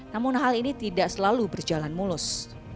namun hal ini tidak selalu berjalan mulus